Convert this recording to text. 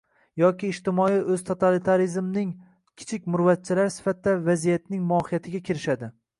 yoki ijtimoiy “o‘ztotalitarizmning” kichik murvatchalari sifatida vaziyatning mohiyatiga kirishadi.